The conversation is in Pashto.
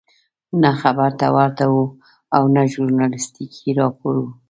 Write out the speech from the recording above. نه خبر ته ورته وو او نه ژورنالستیکي راپور وو.